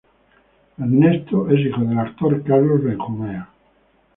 Ernesto es hijo del actor Carlos Benjumea.